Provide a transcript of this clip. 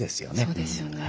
そうですよね。